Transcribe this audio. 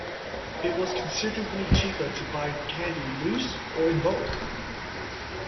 It was considerably cheaper to buy candy loose, or in bulk.